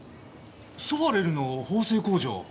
ソワレルの縫製工場。